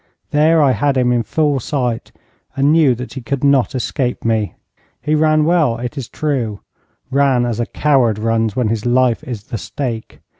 There I had him in full sight, and knew that he could not escape me. He ran well, it is true ran as a coward runs when his life is the stake.